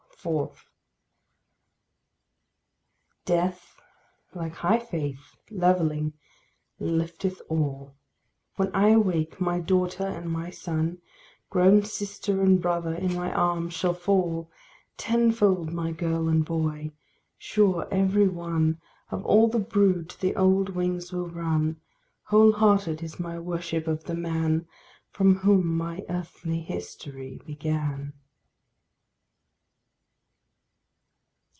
4. Death, like high faith, levelling, lifteth all. When I awake, my daughter and my son, Grown sister and brother, in my arms shall fall, Tenfold my girl and boy. Sure every one Of all the brood to the old wings will run. Whole hearted is my worship of the man From whom my earthly history began.